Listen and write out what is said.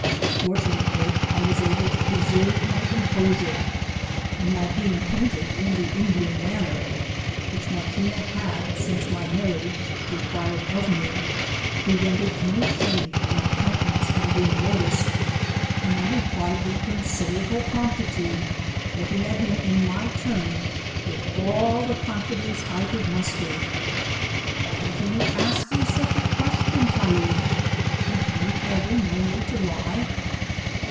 Fortunately I was able to preserve my composure, and my being painted in the Indian manner, which Maquina had since my marriage, required of me, prevented any change in my coun tenance from being noticed, and I replied with con siderable promtitude, looking at him in my turn, with all the confidence I could muster, " Why do you ask me such a question, Tyee ? have you ever 184 known me to lie